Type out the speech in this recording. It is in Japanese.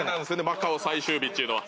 マカオ最終日っていうのは。